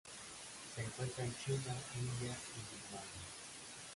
Se encuentra en China, India y Birmania.